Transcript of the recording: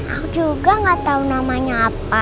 aku juga gak tahu namanya apa